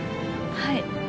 はい。